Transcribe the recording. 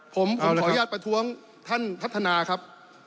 ผมขออนุญาตประท้วงท่านพัฒนาครับ